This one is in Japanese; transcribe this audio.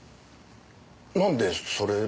なんでそれ。